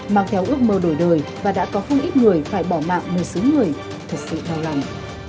mang theo ước mơ đổi đời và đã có không ít người phải bỏ mạng một số người thật sự đau lòng